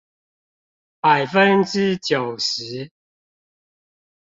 百分之九十